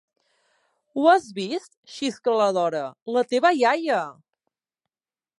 Ho has vist? —xiscla la Dora— La teva iaia!